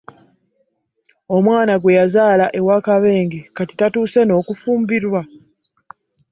Omwana gwe yazaala ewa Kabenge kati tatuuse n'okufumbirwa?